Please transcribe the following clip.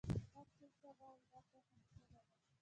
هر څوک څه غواړي، دا پوهه مهمه ده.